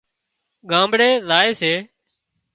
ڳامڙي زائي سي